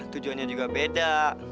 tujuannya juga beda